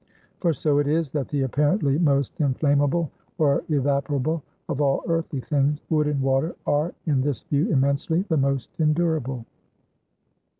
For so it is, that the apparently most inflammable or evaporable of all earthly things, wood and water, are, in this view, immensely the most endurable.